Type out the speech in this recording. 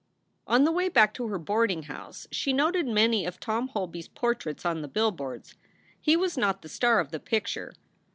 On the way back to her boarding house she noted many of Tom Holby s portraits on the billboards. He was not the star of the picture.